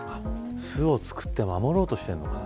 巣を作って守ろうとしてるのかな。